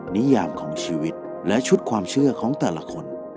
นิยามของชีวิตและชุดความเชื่อของแต่ละคน